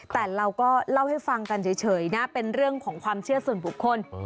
แต่เราก็เล่าให้ฟังกันเฉยนะเป็นเรื่องของความเชื่อส่วนบุคคล